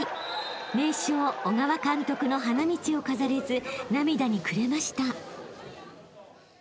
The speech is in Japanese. ［名将小川監督の花道を飾れず涙に暮れました］